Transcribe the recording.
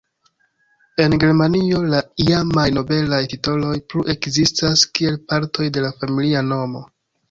En Germanio la iamaj nobelaj titoloj plu ekzistas kiel partoj de la familia nomo.